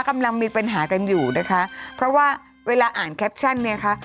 กำลังมีปัญหากันอยู่นะคะเพราะว่าเวลาอ่านแคปชั่นเนี่ยค่ะ